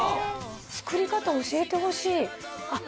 作り方教えてほしいあっ